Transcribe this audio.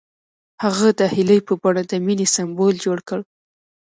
هغه د هیلې په بڼه د مینې سمبول جوړ کړ.